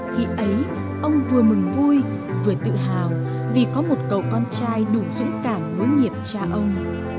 khi ấy ông vừa mừng vui vừa tự hào vì có một cậu con trai đủ dũng cảm đối nghiệp cha ông